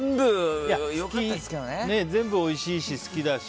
全部おいしいし、好きだし。